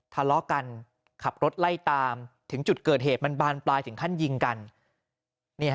ทะเลาะกันขับรถไล่ตามถึงจุดเกิดเหตุมันบานปลายถึงขั้นยิงกัน